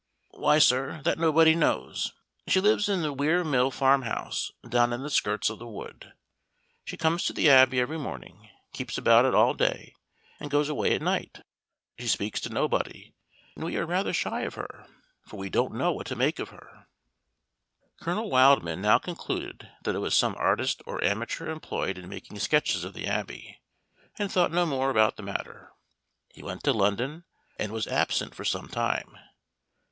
"Why, sir, that nobody knows; she lives in the Weir Mill farmhouse, down in the skirts of the wood. She comes to the Abbey every morning, keeps about it all day, and goes away at night. She speaks to nobody, and we are rather shy of her, for we don't know what to make of her." Colonel Wildman now concluded that it was some artist or amateur employed in making sketches of the Abbey, and thought no more about the matter. He went to London, and was absent for some time.